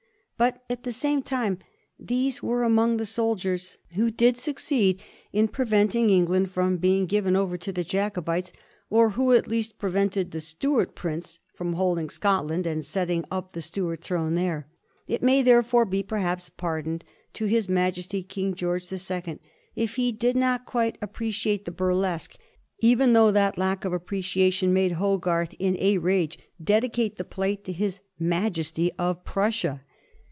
But, at the same time, these were among the soldiers who did suc ceed in preventing England from being given over to the Jacobites, or who at least prevented the Stuart Prince from holding Scotland, and setting up the Stuart throne there. It may, therefore, be perhaps pardoned to his maj esty King George the Second if he did not quite appre ciate the " burlesque," even though that lack of apprecia tion made Hogarth in a rage dedicate the plate to his majesty of Prussia.